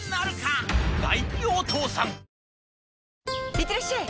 いってらっしゃい！